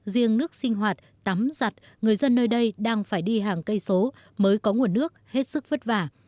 riêng nước sinh hoạt tắm giặt người dân nơi đây đang phải đi hàng cây số mới có nguồn nước hết sức vất vả